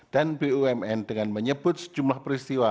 dan bumn dengan menyebut sejumlah peristiwa